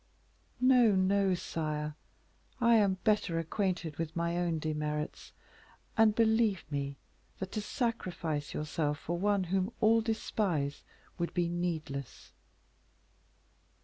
"No, no, sire, I am better acquainted with my own demerits; and believe me, that to sacrifice yourself for one whom all despise, would be needless."